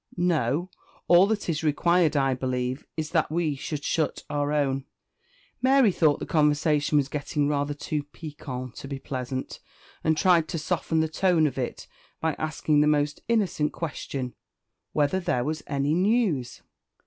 "No; all that is required, I believe, is that we should shut our own." Mary thought the conversation was getting rather too piquante to be pleasant, and tried to soften the tone of it by asking that most innocent question, Whether there was any news?